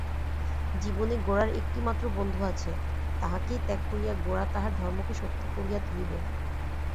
জীবনে গোরার একটিমাত্র বন্ধু আছে তাহাকেই ত্যাগ করিয়া গোরা তাহার ধর্মকে সত্য করিয়া তুলিবে।